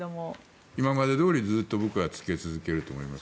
今までどおり、ずっと僕は着け続けると思います。